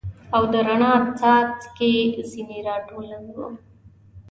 او د رڼا څاڅکي ځیني را ټولوو